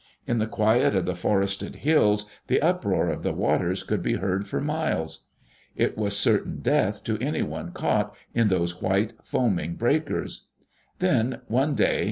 In the quiet of the forested hills, the uproar of the waters could be heard for miles. It was certain death to anyone caught in those white, foaming breakers. Then one day.